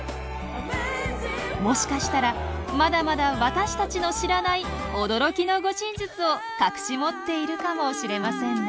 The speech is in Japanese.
もしかしたらまだまだ私たちの知らない驚きの護身術を隠し持っているかもしれませんね。